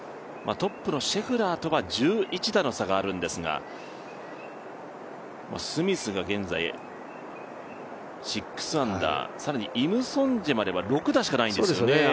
トップのシェフラーとは１１打の差があるんですがスミスが現在、６アンダー、更にイム・ソンジェまでは６打しかないんですよね。